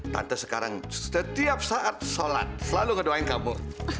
tante sekarang setiap saat berdoa selalu berdoa kepada kamu